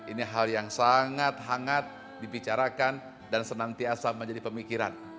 ini hal yang sangat hangat dibicarakan dan senantiasa menjadi pemikiran